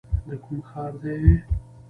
د کوم ښار دی ؟